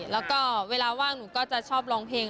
แล้วก็เวลาว่างหนูก็จะชอบร้องเพลง